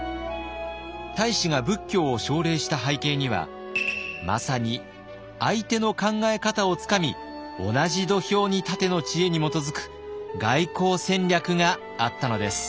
太子が仏教を奨励した背景にはまさに「相手の考え方をつかみ同じ土俵に立て」の知恵に基づく外交戦略があったのです。